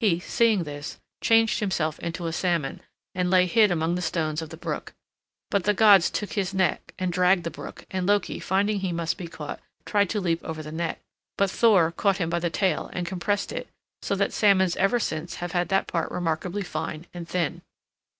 He, seeing this, changed himself into a salmon, and lay hid among the stones of the brook. But the gods took his net and dragged the brook, and Loki, finding he must be caught, tried to leap over the net; but Thor caught him by the tail and compressed it, so that salmons ever since have had that part remarkably fine and thin.